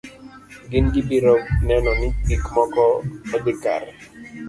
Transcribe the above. Gin gibiro neno ni gik moko odhi kare.